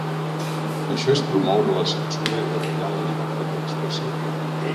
Això és promoure la censura i retallar la llibertat d’expressió.